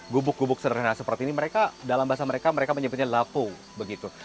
gubuk gubuk sederhana seperti ini mereka dalam bahasa mereka mereka menyebutnya lapu begitu